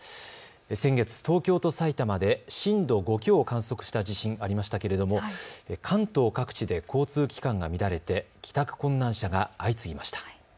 先月、東京と埼玉で震度５強を観測した地震、ありましたけれども関東各地で交通機関が乱れて帰宅困難者が相次ぎました。